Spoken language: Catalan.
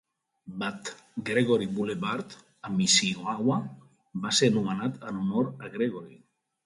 Bud Gregory Boulevard, a Mississauga, va ser nomenat en honor a Gregory.